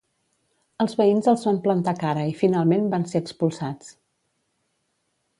Els veïns els van plantar cara i finalment van ser expulsats.